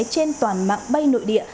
trên toàn mạng bay nội địa